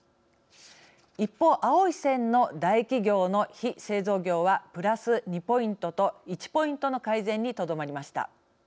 一方、青い線の大企業の非製造業はプラス２ポイントと１ポイントの改善にとどまりました。